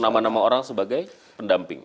nama nama orang sebagai pendamping